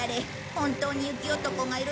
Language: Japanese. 本当に雪男がいるとは。